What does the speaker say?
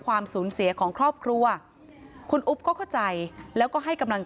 ความสูญเสียของครอบครัวคุณอุ๊บก็เข้าใจแล้วก็ให้กำลังใจ